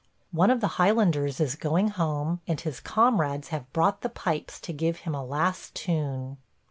One of the Highlanders is going home and his comrades have brought the pipes to give him a last tune.